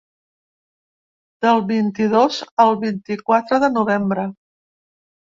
Del vint-i-dos al vint-i-quatre de novembre.